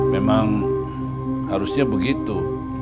memang harusnya begitu